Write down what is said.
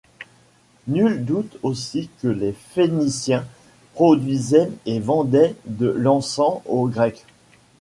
Nul doute aussi que les Phéniciens produisaient et vendaient de l'encens aux Grecs.